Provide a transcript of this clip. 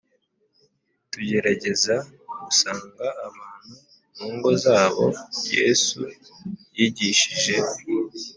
Tugerageza gusanga abantu mu ngo zabo yesu yigishije